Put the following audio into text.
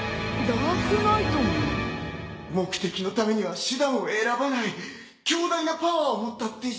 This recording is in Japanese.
目的のためには手段を選ばない強大なパワーを持ったデジモンだよ！